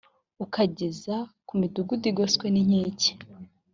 ukageza ku midugudu igoswe n inkike